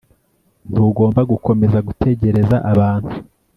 ntugomba gukomeza gutegereza abantu